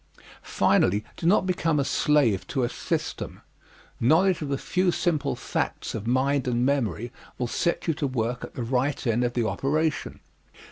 Finally, do not become a slave to a system. Knowledge of a few simple facts of mind and memory will set you to work at the right end of the operation.